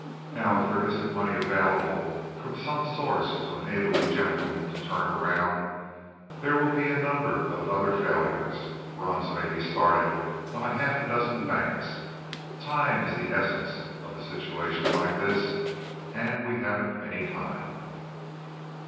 Now, if there isn't money available from some source to enable you gentlemen to turn around, there will be a number of other failures. Runs may be started on a half dozen banks. Time is the essence of a situation like this, and we haven't any time."